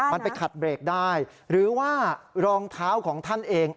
มันไปขัดเบรกได้หรือว่ารองเท้าของท่านเอง